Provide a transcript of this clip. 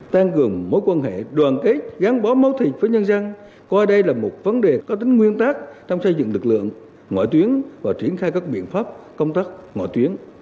tăng cường mối quan hệ đoàn kết gắn bó máu thịt với nhân dân coi đây là một vấn đề có tính nguyên tắc trong xây dựng lực lượng ngoại tuyến và triển khai các biện pháp công tác ngoại tuyến